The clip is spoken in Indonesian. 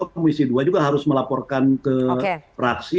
komisi dua juga harus melaporkan ke praksi